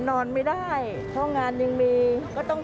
ตอนนั้นเป็นอย่างไรบ้าง